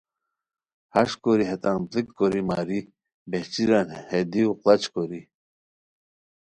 ہݰ کوری ہیتان پڑیک کوری ماری، بہچیران ہے دیو قڑاچ کوری،